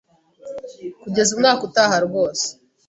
kugeza umwaka utaha rwose